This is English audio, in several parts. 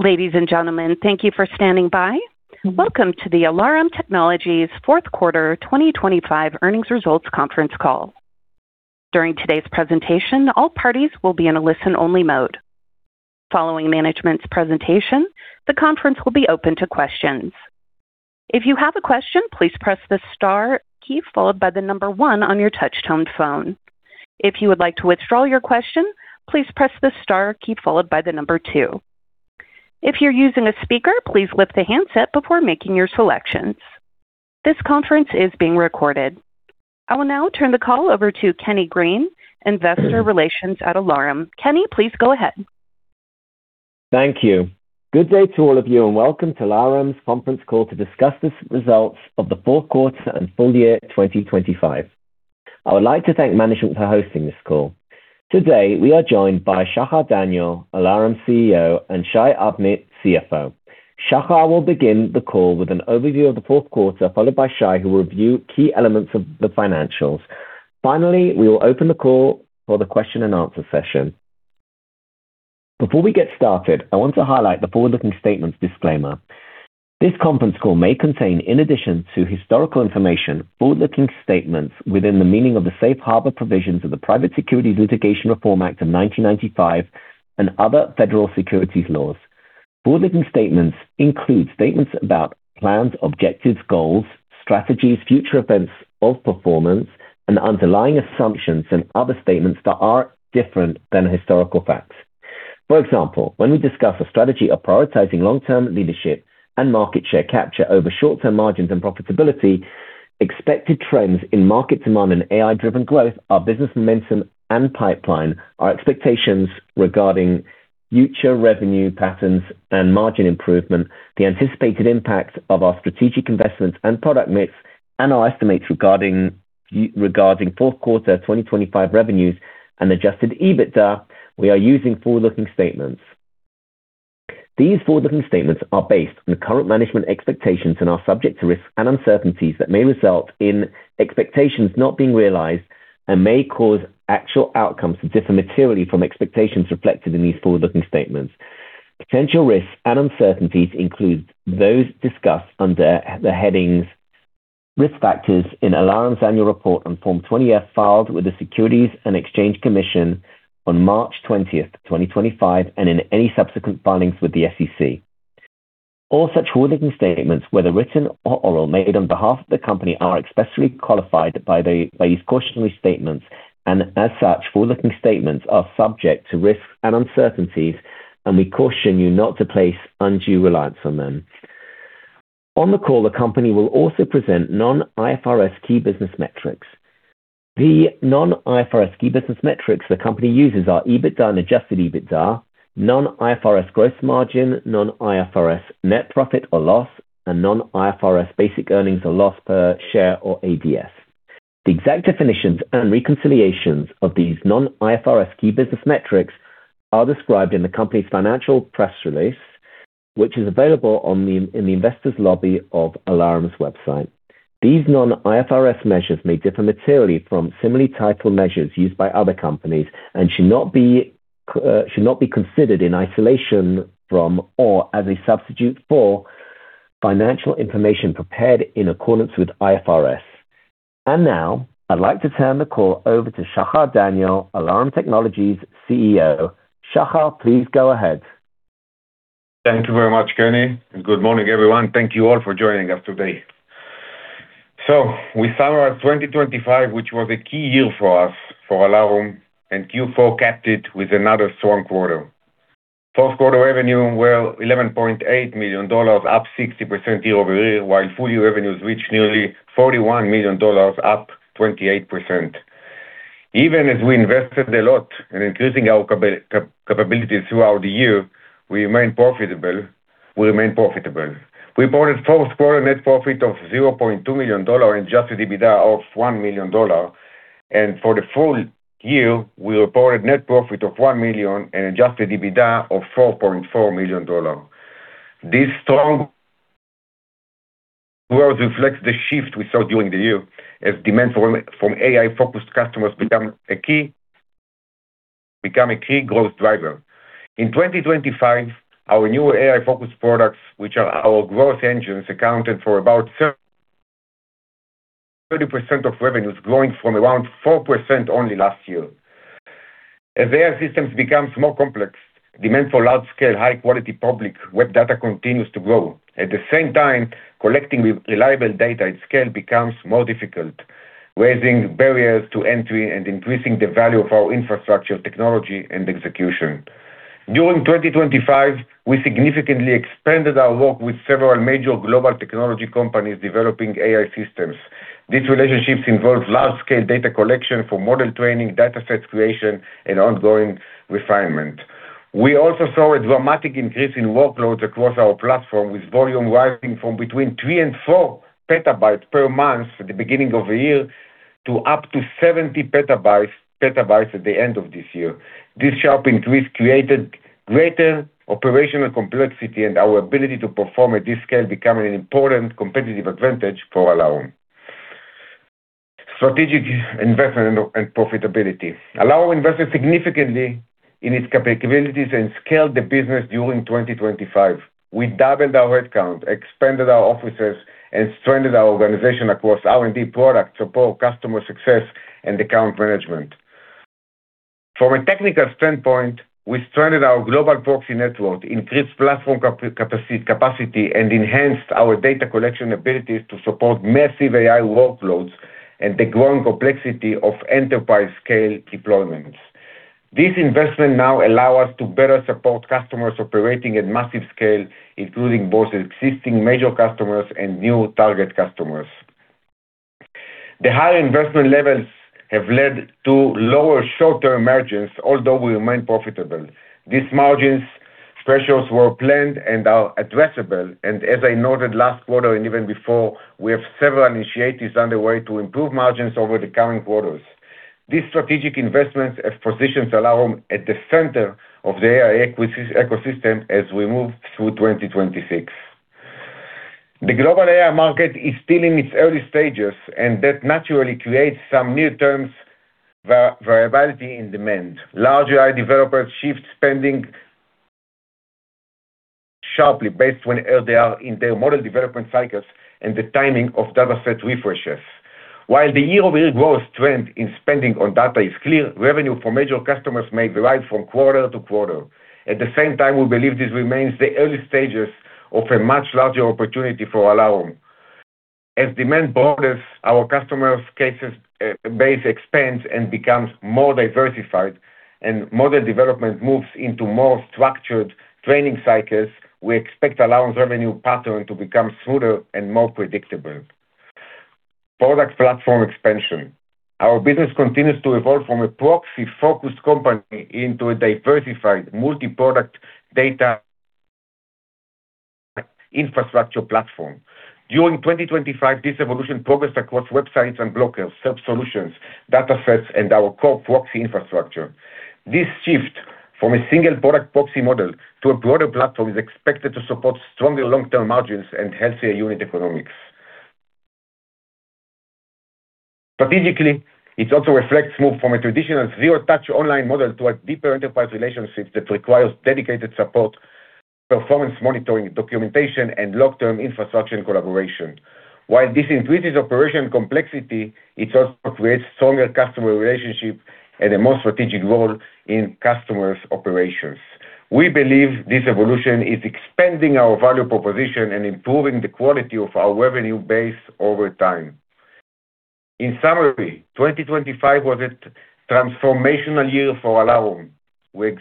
Ladies and gentlemen, thank you for standing by. Welcome to the Alarum Technologies fourth quarter 2025 earnings results conference call. During today's presentation, all parties will be in a listen-only mode. Following management's presentation, the conference will be open to questions. If you have a question, please press the star key followed by the number one on your touchtone phone. If you would like to withdraw your question, please press the star key followed by the number two. If you're using a speaker, please lift the handset before making your selections. This conference is being recorded. I will now turn the call over to Kenny Green, Investor Relations at Alarum Technologies. Kenny, please go ahead. Thank you. Good day to all of you, and welcome to Alarum's conference call to discuss the results of the fourth quarter and full year 2025. I would like to thank management for hosting this call. Today, we are joined by Shachar Daniel, Alarum's CEO, and Shai Avnit, CFO. Shachar will begin the call with an overview of the fourth quarter, followed by Shai, who will review key elements of the financials. Finally, we will open the call for the question and answer session. Before we get started, I want to highlight the forward-looking statements disclaimer. This conference call may contain, in addition to historical information, forward-looking statements within the meaning of the Safe Harbor Provisions of the Private Securities Litigation Reform Act of 1995 and other federal securities laws. Forward-looking statements include statements about plans, objectives, goals, strategies, future events of performance, and underlying assumptions and other statements that are different than historical facts. For example, when we discuss a strategy of prioritizing long-term leadership and market share capture over short-term margins and profitability, expected trends in market demand and AI-driven growth, our business momentum and pipeline, our expectations regarding future revenue patterns and margin improvement, the anticipated impact of our strategic investments and product mix, and our estimates regarding fourth quarter 2025 revenues and adjusted EBITDA, we are using forward-looking statements. These forward-looking statements are based on the current management expectations and are subject to risks and uncertainties that may result in expectations not being realized and may cause actual outcomes to differ materially from expectations reflected in these forward-looking statements. Potential risks and uncertainties include those discussed under the headings Risk Factors in Alarum's annual report on Form 20-F filed with the Securities and Exchange Commission on March 20, 2025, and in any subsequent filings with the SEC. All such forward-looking statements, whether written or oral, made on behalf of the company, are expressly qualified by these cautionary statements. As such, forward-looking statements are subject to risks and uncertainties, and we caution you not to place undue reliance on them. On the call, the company will also present non-IFRS key business metrics. The non-IFRS key business metrics the company uses are EBITDA and adjusted EBITDA, non-IFRS gross margin, non-IFRS net profit or loss, and non-IFRS basic earnings or loss per share or ADS. The exact definitions and reconciliations of these non-IFRS key business metrics are described in the company's financial press release, which is available in the investor's lobby of Alarum's website. These non-IFRS measures may differ materially from similarly titled measures used by other companies and should not be considered in isolation from or as a substitute for financial information prepared in accordance with IFRS. Now I'd like to turn the call over to Shachar Daniel, Alarum Technologies CEO. Shachar, please go ahead. Thank you very much, Kenny. Good morning, everyone. Thank you all for joining us today. We saw our 2025, which was a key year for us, for Alarum, and Q4 capped it with another strong quarter. Fourth quarter revenue were $11.8 million, up 60% year-over-year, while full year revenues reached nearly $41 million, up 28%. Even as we invested a lot in increasing our capabilities throughout the year, we remain profitable. We reported fourth quarter net profit of $0.2 million and adjusted EBITDA of $1 million. For the full year, we reported net profit of $1 million and adjusted EBITDA of $4.4 million. This strong growth reflects the shift we saw during the year as demand from AI-focused customers become a key growth driver. In 2025, our new AI-focused products, which are our growth engines, accounted for about 30% of revenues, growing from around 4% only last year. As AI systems becomes more complex, demand for large scale, high quality public web data continues to grow. At the same time, collecting reliable data at scale becomes more difficult, raising barriers to entry and increasing the value of our infrastructure, technology and execution. During 2025, we significantly expanded our work with several major global technology companies developing AI systems. These relationships involve large scale data collection for model training, data set creation and ongoing refinement. We also saw a dramatic increase in workloads across our platform, with volume rising from between 3 PB-4 PB per month at the beginning of the year to up to 70 PB at the end of this year. This sharp increase created greater operational complexity, and our ability to perform at this scale become an important competitive advantage for Alarum. Strategic investment and profitability. Alarum invested significantly in its capabilities and scaled the business during 2025. We doubled our headcount, expanded our offices, and strengthened our organization across R&D, products, support, customer success, and account management. From a technical standpoint, we strengthened our global proxy network, increased platform capacity, and enhanced our data collection abilities to support massive AI workloads and the growing complexity of enterprise-scale deployments. This investment now allow us to better support customers operating at massive scale, including both existing major customers and new target customers. The higher investment levels have led to lower short-term margins, although we remain profitable. These margin pressures were planned and are addressable. As I noted last quarter and even before, we have several initiatives underway to improve margins over the coming quarters. These strategic investments have positioned Alarum at the center of the AI ecosystem as we move through 2026. The global AI market is still in its early stages, and that naturally creates some near-term variability in demand. Large AI developers shift spending sharply based on where they are in their model development cycles and the timing of dataset refreshes. While the year-over-year growth trend in spending on data is clear, revenue from major customers may vary from quarter to quarter. At the same time, we believe this remains the early stages of a much larger opportunity for Alarum. As demand broadens, our customer base expands and becomes more diversified, and model development moves into more structured training cycles, we expect Alarum's revenue pattern to become smoother and more predictable. Product platform expansion. Our business continues to evolve from a proxy-focused company into a diversified multi-product data infrastructure platform. During 2025, this evolution progressed across websites and blockers, self-service solutions, datasets, and our core proxy infrastructure. This shift from a single product proxy model to a broader platform is expected to support stronger long-term margins and healthier unit economics. Strategically, it also reflects move from a traditional zero-touch online model to a deeper enterprise relationships that requires dedicated support, performance monitoring, documentation, and long-term infrastructure and collaboration. While this increases operational complexity, it also creates stronger customer relationships and a more strategic role in customers' operations. We believe this evolution is expanding our value proposition and improving the quality of our revenue base over time. In summary, 2025 was a transformational year for Alarum. We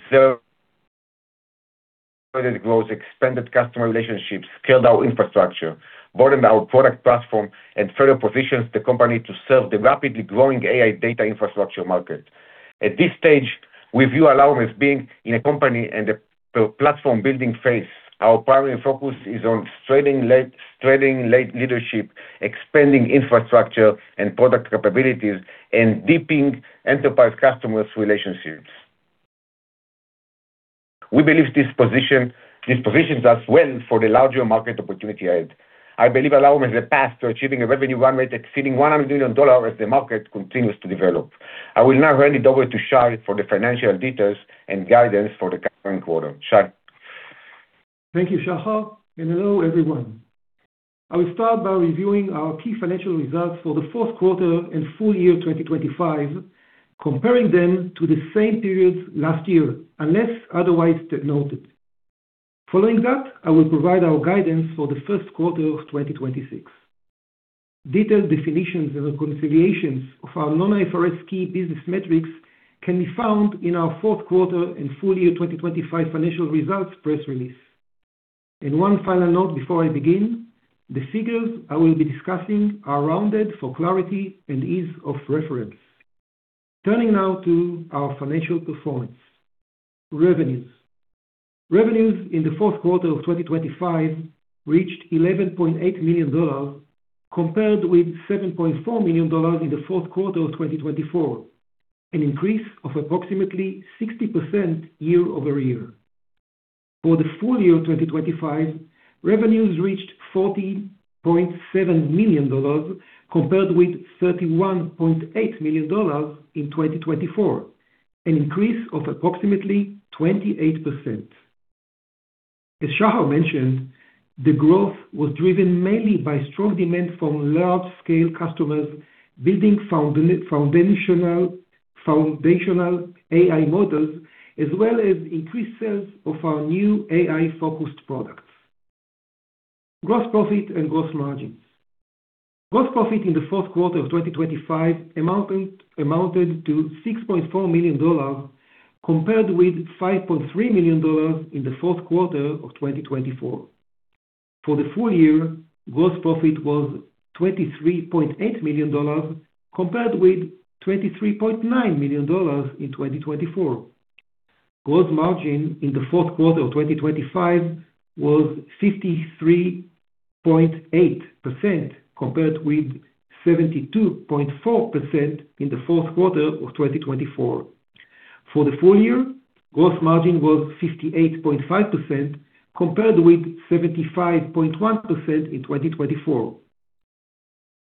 observed growth, expanded customer relationships, scaled our infrastructure, broadened our product platform, and further positions the company to serve the rapidly growing AI data infrastructure market. At this stage, we view Alarum as being in a company and a platform building phase. Our primary focus is on strengthening leadership, expanding infrastructure and product capabilities, and deepening enterprise customers' relationships. We believe this positions us well for the larger market opportunity ahead. I believe Alarum is on a path to achieving a revenue run rate exceeding $100 million as the market continues to develop. I will now hand it over to Shai for the financial details and guidance for the current quarter. Shai. Thank you, Shachar, and hello, everyone. I will start by reviewing our key financial results for the fourth quarter and full year 2025, comparing them to the same periods last year, unless otherwise noted. Following that, I will provide our guidance for the first quarter of 2026. Detailed definitions and reconciliations of our non-IFRS key business metrics can be found in our fourth quarter and full year 2025 financial results press release. One final note before I begin, the figures I will be discussing are rounded for clarity and ease of reference. Turning now to our financial performance. Revenues. Revenues in the fourth quarter of 2025 reached $11.8 million, compared with $7.4 million in the fourth quarter of 2024, an increase of approximately 60% year-over-year. For the full year of 2025, revenues reached $40.7 million, compared with $31.8 million in 2024, an increase of approximately 28%. As Shachar mentioned, the growth was driven mainly by strong demand from large-scale customers building foundational AI models, as well as increased sales of our new AI-focused products. Gross profit and gross margins. Gross profit in the fourth quarter of 2025 amounted to $6.4 million, compared with $5.3 million in the fourth quarter of 2024. For the full year, gross profit was $23.8 million, compared with $23.9 million in 2024. Gross margin in the fourth quarter of 2025 was 53.8%, compared with 72.4% in the fourth quarter of 2024. For the full year, gross margin was 58.5% compared with 75.1% in 2024.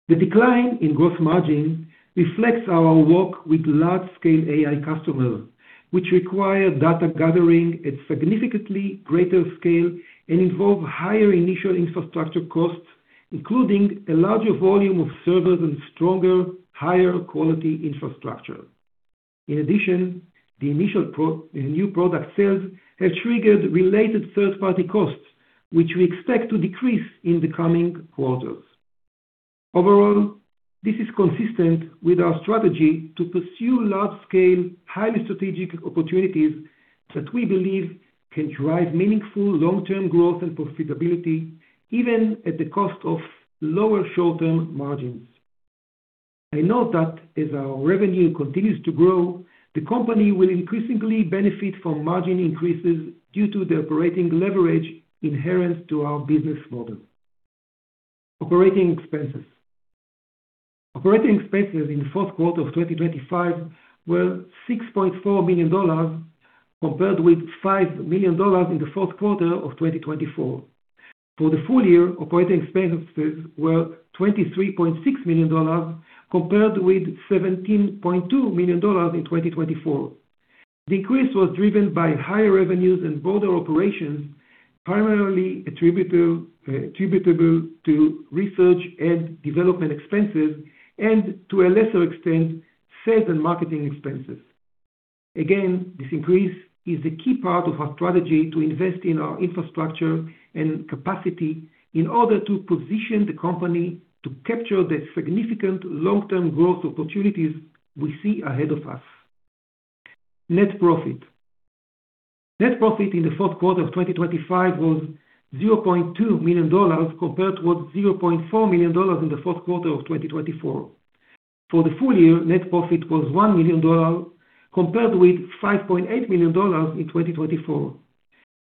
The decline in gross margin reflects our work with large scale AI customers, which require data gathering at significantly greater scale and involve higher initial infrastructure costs, including a larger volume of servers and stronger, higher quality infrastructure. In addition, the new product sales have triggered related third-party costs, which we expect to decrease in the coming quarters. Overall, this is consistent with our strategy to pursue large scale, highly strategic opportunities that we believe can drive meaningful long-term growth and profitability, even at the cost of lower short-term margins. I note that as our revenue continues to grow, the company will increasingly benefit from margin increases due to the operating leverage inherent to our business model. Operating expenses. Operating expenses in the fourth quarter of 2025 were $6.4 million, compared with $5 million in the fourth quarter of 2024. For the full year, operating expenses were $23.6 million compared with $17.2 million in 2024. The increase was driven by higher revenues and broader operations, primarily attributable to research and development expenses and to a lesser extent, sales and marketing expenses. Again, this increase is the key part of our strategy to invest in our infrastructure and capacity in order to position the company to capture the significant long-term growth opportunities we see ahead of us. Net profit. Net profit in the fourth quarter of 2025 was $0.2 million, compared with $0.4 million in the fourth quarter of 2024. For the full year, net profit was $1 million, compared with $5.8 million in 2024.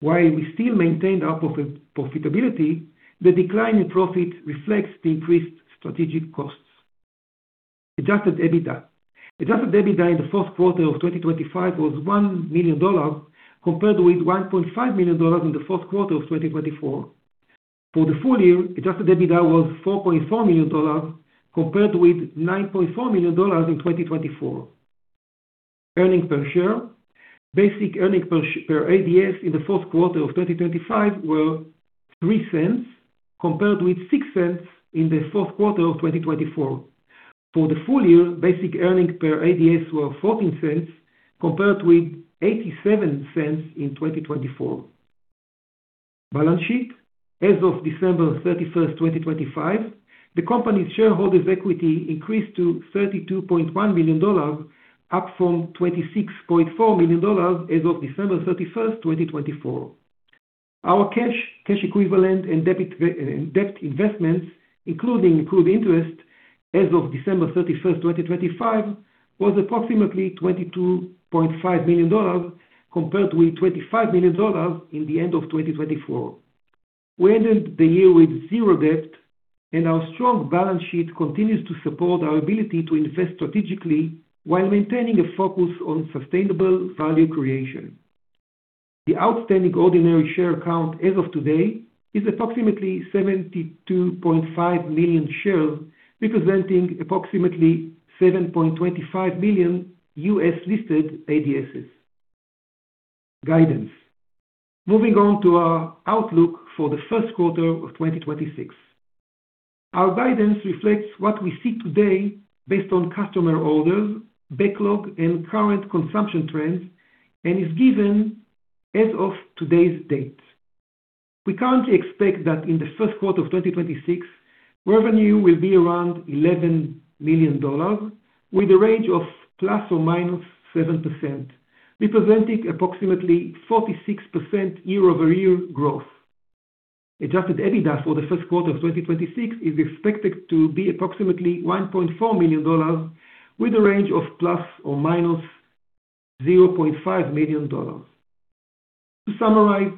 While we still maintained our profitability, the decline in profit reflects the increased strategic costs. Adjusted EBITDA. Adjusted EBITDA in the fourth quarter of 2025 was $1 million, compared with $1.5 million in the fourth quarter of 2024. For the full year, adjusted EBITDA was $4.4 million, compared with $9.4 million in 2024. Earnings per share. Basic earnings per ADS in the fourth quarter of 2025 were $0.03, compared with $0.06 in the fourth quarter of 2024. For the full year, basic earnings per ADS were $0.14 compared with $0.87 in 2024. Balance sheet. As of December 31, 2025, the company's shareholders' equity increased to $32.1 million, up from $26.4 million as of December 31, 2024. Our cash equivalent, and debt investments, including accrued interest as of December 31, 2025, was approximately $22.5 million, compared with $25 million at the end of 2024. We ended the year with zero debt, and our strong balance sheet continues to support our ability to invest strategically while maintaining a focus on sustainable value creation. The outstanding ordinary share count as of today is approximately 72.5 million shares, representing approximately 7.25 million U.S.-listed ADSs. Guidance. Moving on to our outlook for the first quarter of 2026. Our guidance reflects what we see today based on customer orders, backlog, and current consumption trends, and is given as of today's date. We currently expect that in the first quarter of 2026, revenue will be around $11 million with a range of ±7%, representing approximately 46% year-over-year growth. Adjusted EBITDA for the first quarter of 2026 is expected to be approximately $1.4 million, with a range of ±$0.5 million. To summarize,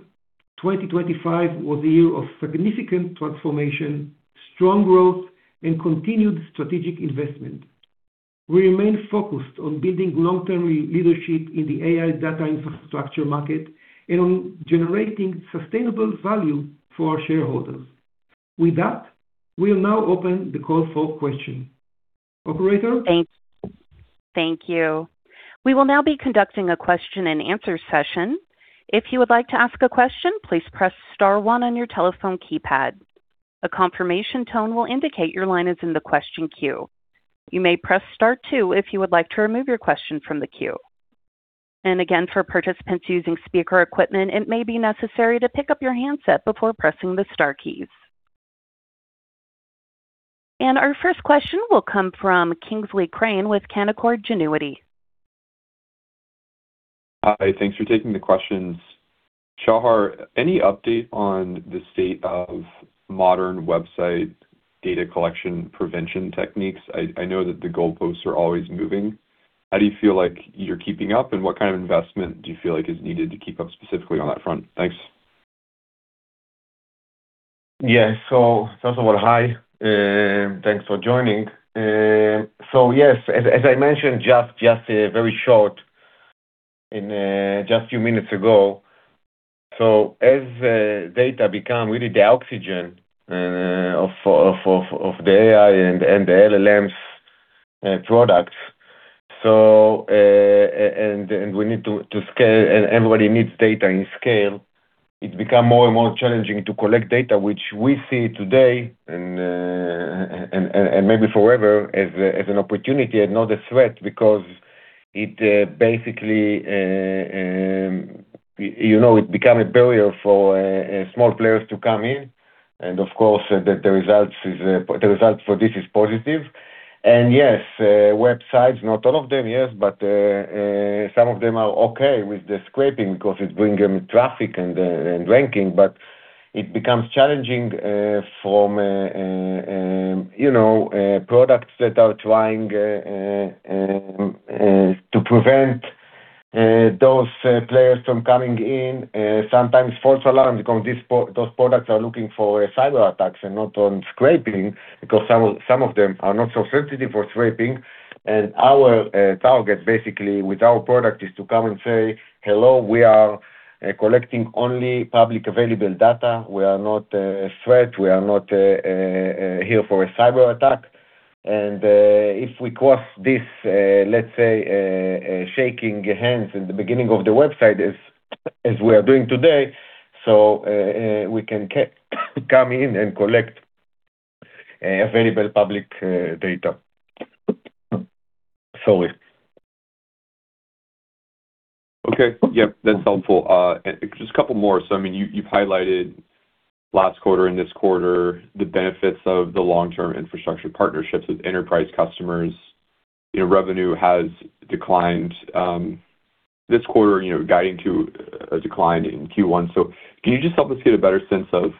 2025 was a year of significant transformation, strong growth, and continued strategic investment. We remain focused on building long-term leadership in the AI data infrastructure market and on generating sustainable value for our shareholders. With that, we'll now open the call for questions. Operator? Thank you. We will now be conducting a question and answer session. If you would like to ask a question, please press star one on your telephone keypad. A confirmation tone will indicate your line is in the question queue. You may press star two if you would like to remove your question from the queue. Again, for participants using speaker equipment, it may be necessary to pick up your handset before pressing the star keys. Our first question will come from Kingsley Crane with Canaccord Genuity. Hi. Thanks for taking the questions. Shachar, any update on the state of modern website data collection prevention techniques? I know that the goalposts are always moving. How do you feel like you're keeping up, and what kind of investment do you feel like is needed to keep up specifically on that front? Thanks. Yes. First of all, hi, thanks for joining. Yes, as I mentioned, just very shortly, just a few minutes ago. As data become really the oxygen of the AI and the LLMs products, and we need to scale and everybody needs data at scale, it become more and more challenging to collect data which we see today and maybe forever as an opportunity and not a threat because it basically you know it become a barrier for small players to come in. Of course, the results for this is positive. Yes, websites, not all of them, yes, but some of them are okay with the scraping because it's bringing traffic and ranking, but it becomes challenging from you know products that are trying to prevent those players from coming in, sometimes false alarms because those products are looking for cyber attacks and not on scraping because some of them are not so sensitive for scraping. Our target basically with our product is to come and say, "Hello, we are collecting only publicly available data. We are not a threat. We are not here for a cyber attack." If we cross this, let's say, shaking hands in the beginning of the website as we are doing today, we can come in and collect available public data. Sorry. Okay. Yep, that's helpful. Just a couple more. I mean, you've highlighted last quarter and this quarter the benefits of the long-term infrastructure partnerships with enterprise customers. You know, revenue has declined, this quarter, you know, guiding to a decline in Q1. Can you just help us get a better sense of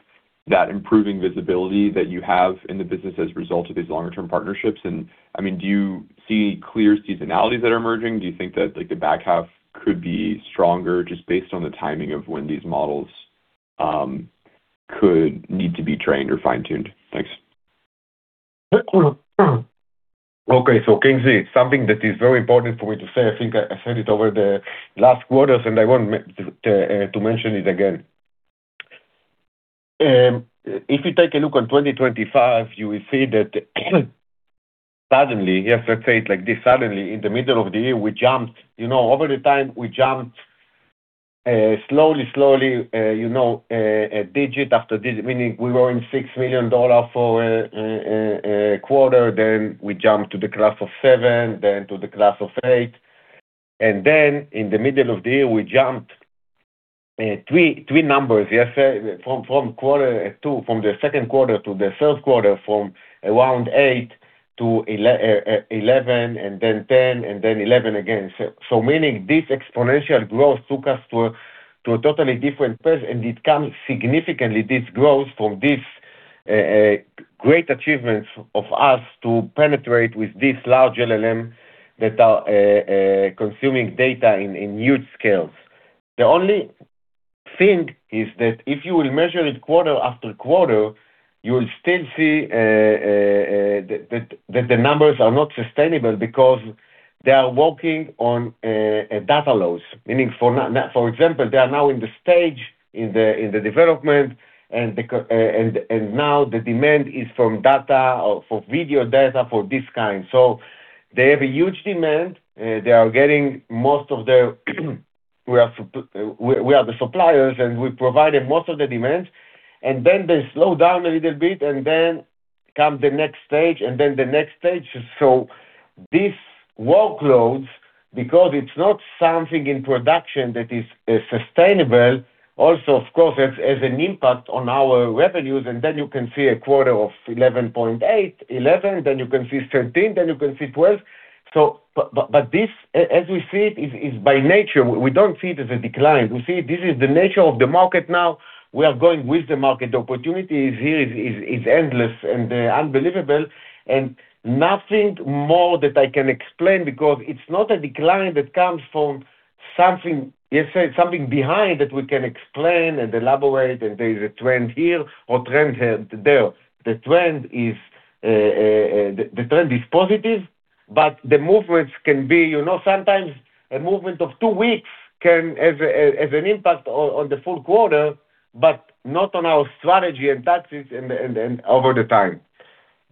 that improving visibility that you have in the business as a result of these longer term partnerships? I mean, do you see clear seasonalities that are emerging? Do you think that like the back half could be stronger just based on the timing of when these models, could need to be trained or fine-tuned? Thanks. Okay. Kingsley, something that is very important for me to say, I think I said it over the last quarters, and I want to mention it again. If you take a look on 2025, you will see that suddenly, let's say it like this, suddenly in the middle of the year, we jumped. You know, over the time, we jumped slowly, a digit after digit, meaning we were in $6 million for quarter, then we jumped to the class of seven, then to the class of eight. In the middle of the year, we jumped three numbers, yes, from quarter two, from the second quarter to the third quarter, from around eight to 11, and then 10, and then 11 again. Meaning this exponential growth took us to a totally different place, and it comes significantly, this growth from this great achievements of us to penetrate with this large LLM that are consuming data in huge scales. The only thing is that if you will measure it quarter after quarter, you will still see that the numbers are not sustainable because they are working on data loss. Meaning for example, they are now in the stage in the development and now the demand is for data or for video data for this kind. They have a huge demand. They are getting most of their, we are the suppliers, and we provided most of the demand. They slow down a little bit and then come the next stage, and then the next stage. These workloads, because it's not something in production that is sustainable, also, of course, has an impact on our revenues. Then you can see a quarter of $11.8, $11, then you can see $13, then you can see $12. But this, as we see it, is by nature. We don't see it as a decline. We see this is the nature of the market now. We are going with the market. The opportunity is here, is endless and unbelievable. Nothing more that I can explain because it's not a decline that comes from something, let's say, something behind that we can explain and elaborate, and there is a trend here or trend there. The trend is positive, but the movements can be, you know, sometimes a movement of two weeks can have an impact on the full quarter, but not on our strategy and tactics and over time.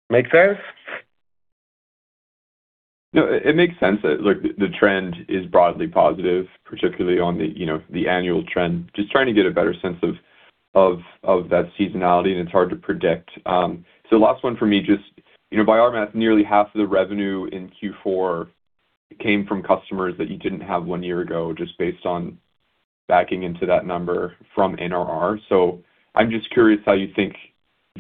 Make sense? No, it makes sense. Like the trend is broadly positive, particularly on the, you know, the annual trend. Just trying to get a better sense of that seasonality, and it's hard to predict. Last one for me, just, you know, by our math, nearly half of the revenue in Q4 came from customers that you didn't have one year ago, just based on backing into that number from NRR. I'm just curious how you think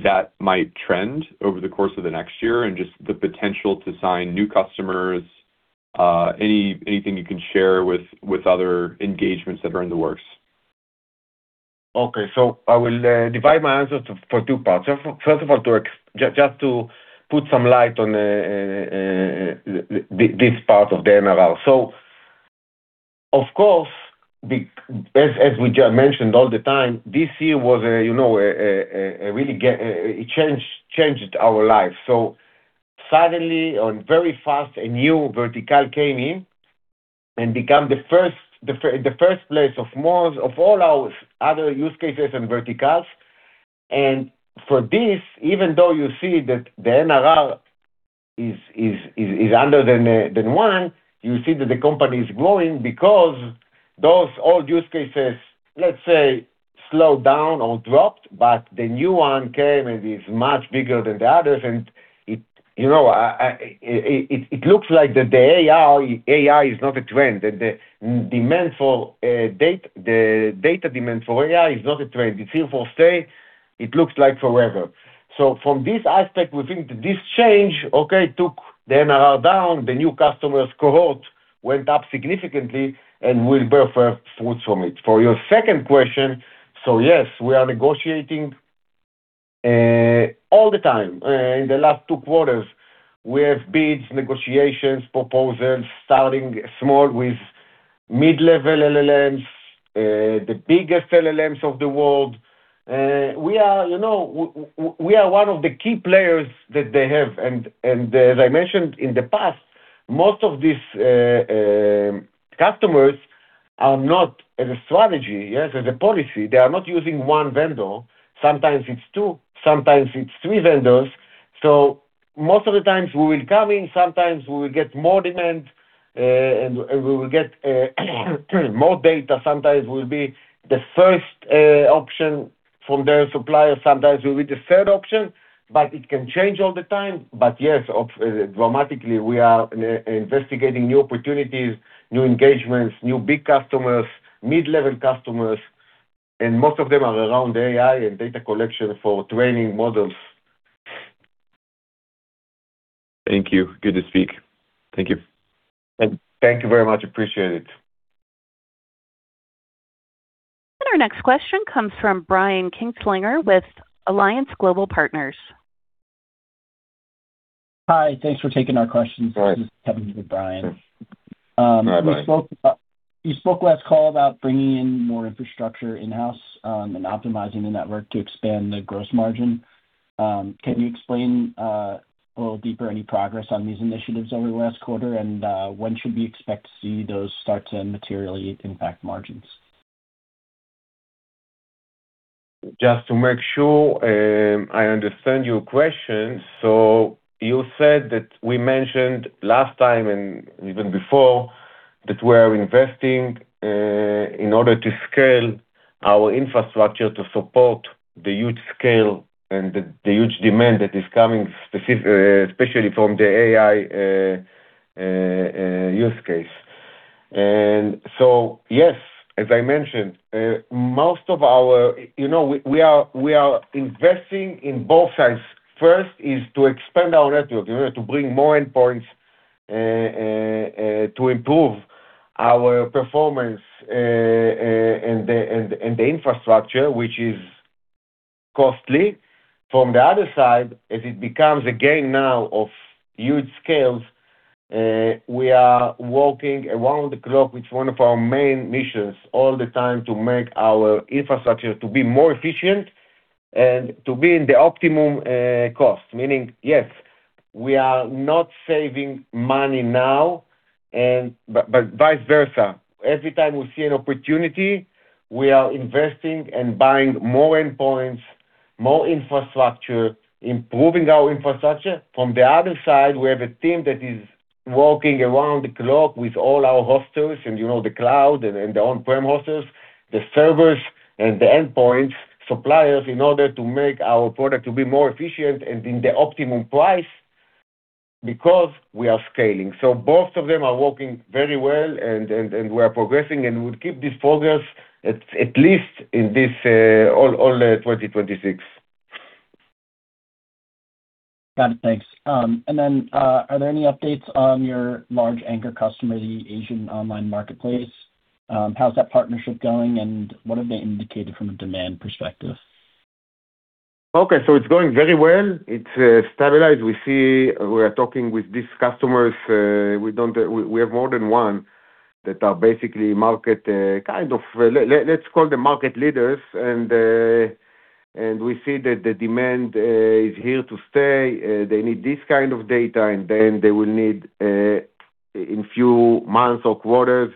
that might trend over the course of the next year and just the potential to sign new customers, anything you can share with other engagements that are in the works. Okay. I will divide my answer into two parts. First of all, just to put some light on this part of the NRR. Of course, as we just mentioned all the time, this year was, you know, a really it changed our lives. Suddenly very fast, a new vertical came in and become the first place of most of all our other use cases and verticals. For this, even though you see that the NRR is less than one, you see that the company is growing because those old use cases, let's say, slowed down or dropped, but the new one came, and it's much bigger than the others. You know, it looks like that the AI is not a trend, that the data demand for AI is not a trend. It's here to stay, it looks like forever. From this aspect, we think that this change, okay, took the NRR down, the new customers cohort went up significantly and will bear fruit from it. For your second question, yes, we are negotiating all the time. In the last two quarters, we have bids, negotiations, proposals, starting small with mid-level LLMs, the biggest LLMs of the world. We are, you know, we are one of the key players that they have. As I mentioned in the past, most of these customers are not as a strategy, yes, as a policy, they are not using one vendor. Sometimes it's two, sometimes it's three vendors. Most of the times we will come in, sometimes we will get more demand, and we will get more data. Sometimes we'll be the first option from their supplier. Sometimes we'll be the third option, but it can change all the time. Yes, dramatically, we are investigating new opportunities, new engagements, new big customers, mid-level customers, and most of them are around AI and data collection for training models. Thank you. Good to speak. Thank you. Thank you very much. Appreciate it. Our next question comes from Brian Kinstlinger with Alliance Global Partners. Hi. Thanks for taking our questions. Hi. This is Kevin [with Brian Kinstlinger]. Hi, Bri. You spoke last call about bringing in more infrastructure in-house, and optimizing the network to expand the gross margin. Can you explain a little deeper any progress on these initiatives over the last quarter? When should we expect to see those start to materially impact margins? Just to make sure, I understand your question. You said that we mentioned last time and even before that we are investing in order to scale our infrastructure to support the huge scale and the huge demand that is coming especially from the AI use case. Yes, as I mentioned, most of our. You know, we are investing in both sides. First is to expand our network, in order to bring more endpoints, to improve our performance, and the infrastructure, which is costly. From the other side, as it becomes a game now of huge scales, we are working around the clock, which one of our main missions all the time to make our infrastructure to be more efficient and to be in the optimum cost. Meaning, yes, we are not saving money now, but vice versa. Every time we see an opportunity, we are investing and buying more endpoints, more infrastructure, improving our infrastructure. From the other side, we have a team that is working around the clock with all our hosters and, you know, the cloud and the on-prem hosters, the servers and the endpoints suppliers in order to make our product to be more efficient and in the optimum price because we are scaling. Both of them are working very well and we are progressing, and we would keep this progress at least in this all 2026. Got it. Thanks. Are there any updates on your large anchor customer, the Asian online marketplace? How's that partnership going, and what have they indicated from a demand perspective? Okay. It's going very well. It's stabilized. We are talking with these customers. We have more than one that are basically, let's call them, market leaders. We see that the demand is here to stay. They need this kind of data, and then they will need in a few months or quarters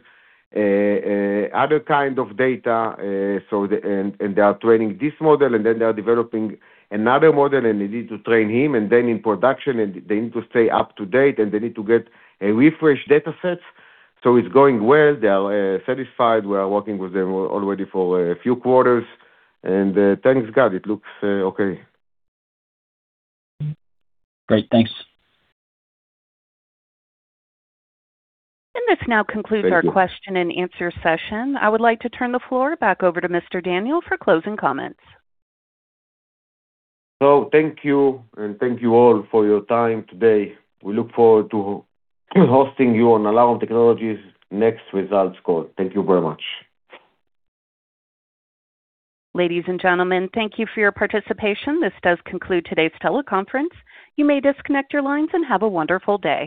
other kind of data. They are training this model, and then they are developing another model, and they need to train him. Then in production, they need to stay up to date, and they need to get refreshed datasets. It's going well. They are satisfied. We are working with them already for a few quarters. Thank God, it looks okay. Great. Thanks. This now concludes. Thank you. End our question and answer session. I would like to turn the floor back over to Shachar Daniel for closing comments. Thank you, and thank you all for your time today. We look forward to hosting you on Alarum Technologies' next results call. Thank you very much. Ladies and gentlemen, thank you for your participation. This does conclude today's teleconference. You may disconnect your lines, and have a wonderful day.